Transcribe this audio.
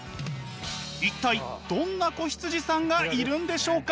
一体どんな子羊さんがいるんでしょうか？